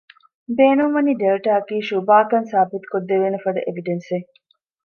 ބޭނުންވަނީ ޑެލްޓާ އަކީ ޝުބާކަން ސާބިތުކޮށްދެވޭނެފަދަ އެވިޑެންސްއެއް